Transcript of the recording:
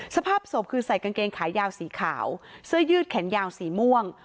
สภาพศพคือใส่กางเกงขายาวสีขาวเสื้อยืดแขนยาวสีม่วง